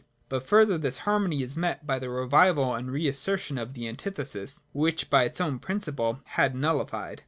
But, further, this harmony is met by the revival and re assertion of the antithesis, which it by its own principle had nullified.